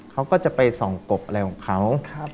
เขาก็จะไปส่องกบอะไรของเขา